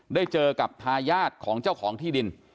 ได้เจอกับทายาทของเจ้าของที่ดิน